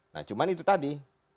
nah cuma itu tadi